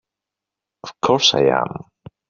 Of course I am!